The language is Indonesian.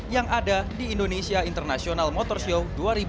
yang ada di indonesia international motor show dua ribu dua puluh